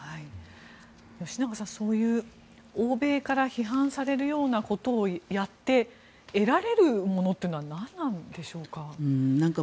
吉永さん、そういう欧米から批判されるようなことをやって得られるものというのは何なんでしょうか。